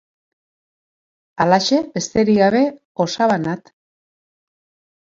Halaxe besterik gabe, osaba Nat.